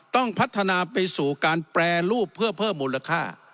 ต้องพัฒนาไปสู่การแปรรูปเพื่อเพิ่มมูลค่า